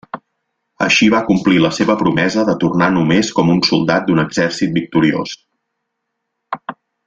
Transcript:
Així va complir la seva promesa de tornar només com un soldat d'un exèrcit victoriós.